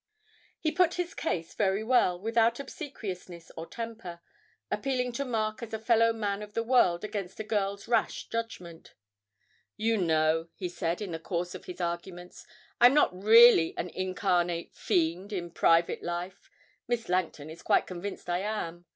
He put his case very well, without obsequiousness or temper, appealing to Mark as a fellow man of the world against a girl's rash judgment. 'You know,' he said, in the course of his arguments, 'I'm not really an incarnate fiend in private life. Miss Langton is quite convinced I am.